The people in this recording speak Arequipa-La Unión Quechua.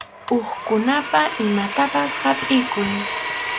Hukkunapa imantapas hapʼikuy.